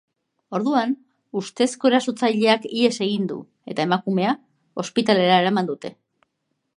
Orduan, ustezko erasotzaileak ihes egin du, eta emakumea ospitalera eraman dute.